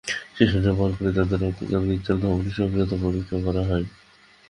সেশনের পরপরই তাঁদের রক্তচাপ, হৃদ্চাপ ও ধমনির সক্রিয়তা পরীক্ষা করা হয়।